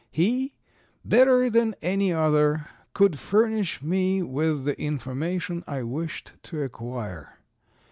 He, better than any other, could furnish me with the information I wished to acquire.